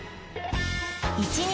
１日